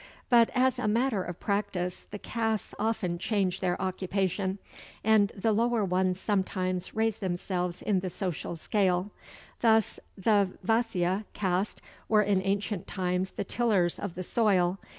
But, as a matter of practice, the castes often change their occupation, and the lower ones sometimes raise themselves in the social scale. Thus the Vaisya caste were in ancient times the tillers of the soil.